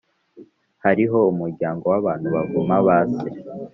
“hariho umuryango w’abantu bavuma ba se